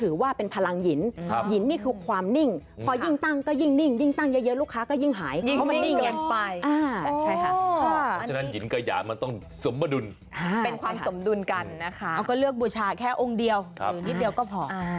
เอาคือเลือกบูชาแค่องค์เดียวเยาะนิดเดียวก็พอ